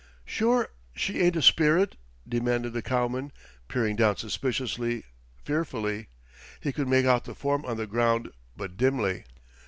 "Sure she ain't a spirit?" demanded the cowman, peering down suspiciously, fearfully. He could make out the form on the ground but dimly.